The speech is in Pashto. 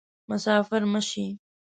مسافر مه شي